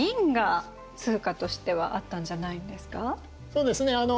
そうですね。